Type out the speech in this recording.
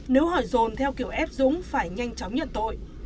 nếu hỏi dồn theo kiểu ép dũng phải nhanh chóng nhận tội